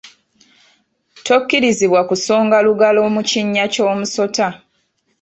Tokkirizibwa kusonga lugalo mu kinnya ky’omusota.